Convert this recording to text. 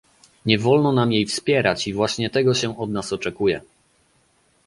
Nie wolno nam jej wspierać i właśnie tego się od nas oczekuje